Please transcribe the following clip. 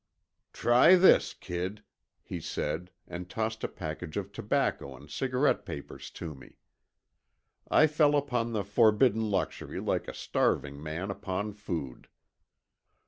"Try this, kid," he said, and tossed a package of tobacco and cigarette papers to me. I fell upon the forbidden luxury like a starving man upon food.